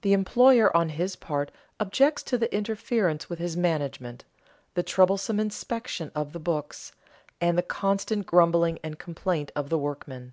The employer on his part objects to the interference with his management, the troublesome inspection of the books, and the constant grumbling and complaint of the workmen.